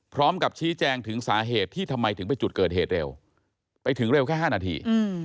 พร้อมกับชี้แจงถึงสาเหตุที่ทำไมถึงไปจุดเกิดเหตุเร็วไปถึงเร็วแค่๕นาที